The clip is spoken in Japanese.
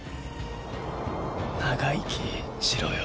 長生きしろよ。